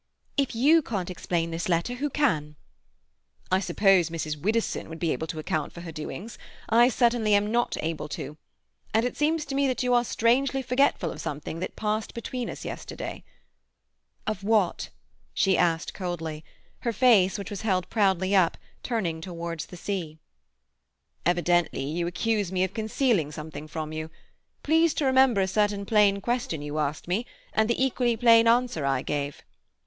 "If you can't explain this letter, who can?" "I suppose Mrs. Widdowson would be able to account for her doings. I certainly am not able to. And it seems to me that you are strangely forgetful of something that passed between us yesterday." "Of what?" she asked coldly, her face, which was held proudly up, turning towards the sea. "Evidently you accuse me of concealing something from you. Please to remember a certain plain question you asked me, and the equally plain answer I gave."